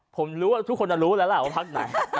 ผมรู้ว่าทุกคนจะรู้แล้วล่ะว่าพักไหน